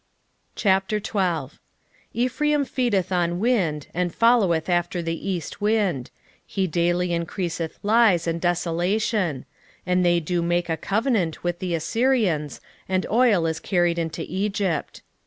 12:1 Ephraim feedeth on wind, and followeth after the east wind: he daily increaseth lies and desolation; and they do make a covenant with the Assyrians, and oil is carried into Egypt.